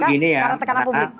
karena tekanan publik